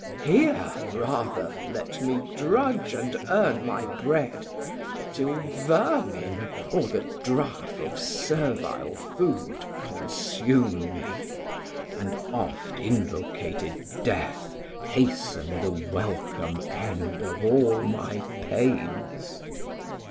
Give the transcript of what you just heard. Here rather let me drudge and earn my bread, Till vermin or the draff of servil food Consume me, and oft invocated death Hast'n the welcom end of all my pains.